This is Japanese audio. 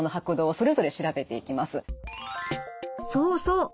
そうそう！